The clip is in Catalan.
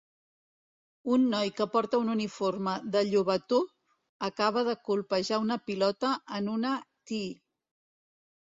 Un noi que porta un uniforme de llobató acaba de colpejar una pilota en una "tee".